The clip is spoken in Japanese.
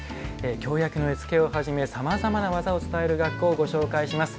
京焼の絵付けをはじめさまざまな技を伝える学校をご紹介します。